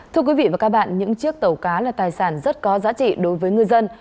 thưa quý vị và các bạn những chiếc tàu cá là tài sản rất có giá trị đối với ngư dân